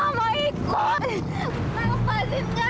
how dare uwi kumpulkan